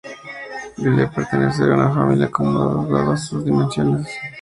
Debió pertenecer a una familia acomodada dadas sus dimensiones.